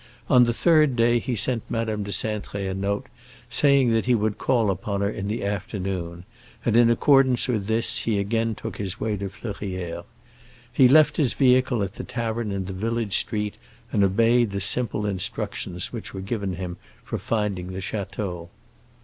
On the third day he sent Madame de Cintré a note, saying that he would call upon her in the afternoon, and in accordance with this he again took his way to Fleurières. He left his vehicle at the tavern in the village street, and obeyed the simple instructions which were given him for finding the château.